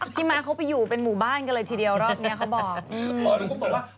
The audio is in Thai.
พี่ม้าเขาไปอยู่เป็นหมู่บ้านกันเลยทีเดียวรอบเนี้ยเขาบอกอืมอ๋อแล้วก็บอกว่า